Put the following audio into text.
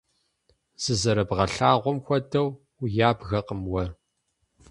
Зызэрыбгъэлъагъуэм хуэдэу уябгэкъым уэ.